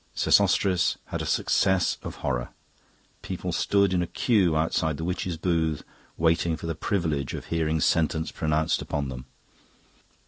Sesostris had a success of horror. People stood in a queue outside the witch's booth waiting for the privilege of hearing sentence pronounced upon them.